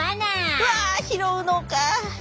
うわ拾うのか。